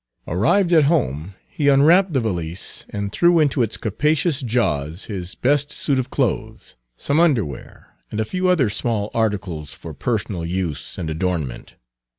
Arrived at home he unwrapped the valise, and thrust into its capacious jaws his best suit of clothes, some underwear, and a few other small articles for personal use and adornment.